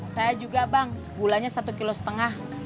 saya juga bang gulanya satu kilo setengah